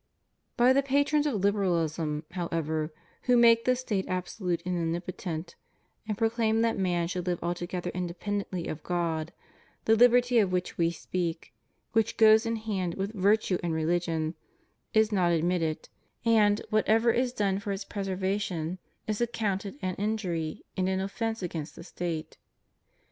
By the patrons of Liberalism, however, who make the State absolute and omnipotent, and proclaim that man should live altogether independently of God, the liberty of which We speak, which goes hand in hand with virtue and religion, is not admitted; and whatever is done for its preservation is accounted an injury and an offence against the State.